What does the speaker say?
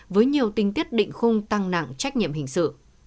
với nhiều tinh tiết định khung tăng nặng trách nhiệm hình sự